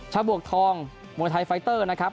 ฉบวกทองมวยไทยไฟเตอร์นะครับ